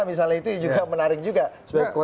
misalnya itu juga menarik juga